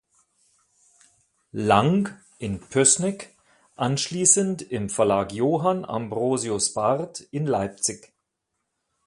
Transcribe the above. Lang" in Pößneck, anschließend im Verlag "Johann Ambrosius Barth" in Leipzig.